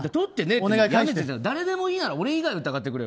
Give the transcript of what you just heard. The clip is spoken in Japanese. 誰でもいいなら俺以外を疑ってくれよ。